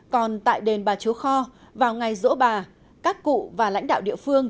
còn tại đền bà chúa kho vào ngày rỗ bà các cụ và lãnh đạo địa phương